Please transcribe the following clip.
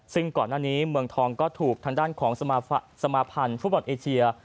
ซึ่งก่อนหน้านี้เมืองทองก็ถูกทางด้านของสมาพันธ์ฟุตบอลเอเชีย